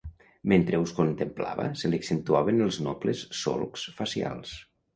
Mentre us contemplava se li accentuaven els nobles solcs facials